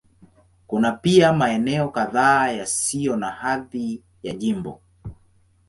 Kuna pia maeneo kadhaa yasiyo na hadhi ya jimbo.